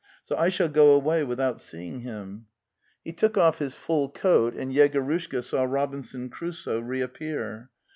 "So I shall go away without seeing him."' He took off his full coat, and Yegorushka saw Rob inson Crusoe reappear.